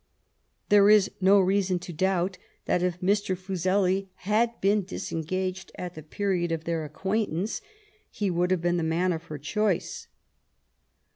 ... There is no reason to doubt that if Mr. Fuseli had been disengaged at the period of their acquaintance, he would have been the man of her choice.